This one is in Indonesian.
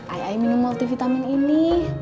ayah ayah minum multivitamin ini